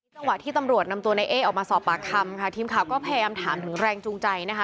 จังหวะที่ตำรวจนำตัวในเอ๊ออกมาสอบปากคำค่ะทีมข่าวก็พยายามถามถึงแรงจูงใจนะคะ